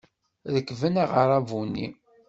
Rekben aɣerrabu-nni.